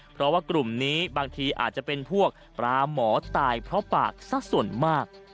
เพราะว่ากลุ่มนี้บางทีอาจจะเป็นพวกปลาหมอตายเพราะปากสักส่วนมาก